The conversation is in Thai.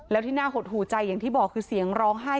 แล้วที่น่าหดหูใจอย่างที่บอกคือเสียงร้องไห้